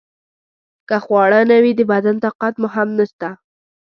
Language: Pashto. که خواړه نه وي د بدن طاقت مو هم نشته.